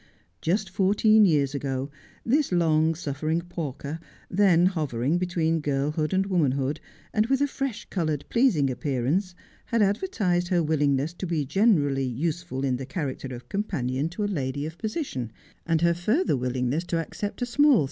Just fourteen years ago this long suffering Pawker, then hovering between girlhood and womanhood, and with a fresh coloured, pleasing appearance, had advertised her willing ness to be generally useful in the character of companion to a lady of position, and her further willingness, to accept a small 68 Just as I Am.